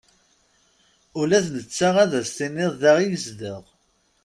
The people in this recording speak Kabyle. Ula d netta ad as-tiniḍ da i yezdeɣ.